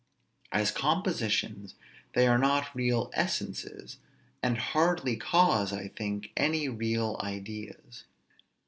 As compositions, they are not real essences, and hardly cause, I think, any real ideas.